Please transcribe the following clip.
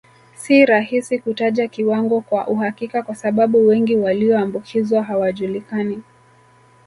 Si rahisi kutaja kiwango kwa uhakika kwa sababu wengi walioambukizwa hawajulikani